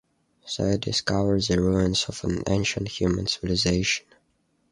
They discover the ruins of an ancient human civilization.